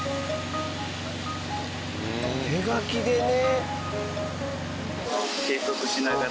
手書きでね。